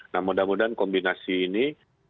nah mudah mudahan kombinasi ini